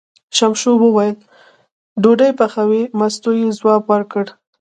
ششمو وویل: ډوډۍ پخوې، مستو یې ځواب ورکړ.